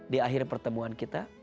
di akhir pertemuan kita